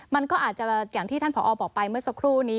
มันก็อาจจะอย่างที่ท่านผอบอกไปเมื่อสักครู่นี้